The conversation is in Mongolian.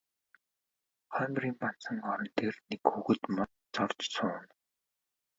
Хоймрын банзан орон дээр нэг хүүхэд мод зорьж сууна.